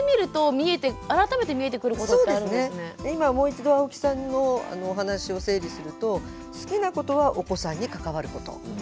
今もう一度青木さんのお話を整理すると好きなことはお子さんに関わること。